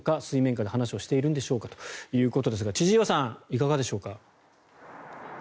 水面下で話をしているんでしょうかということですが千々岩さん、いかがでしょうか。